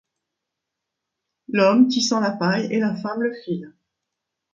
L'homme tissant la paille et la femme le fil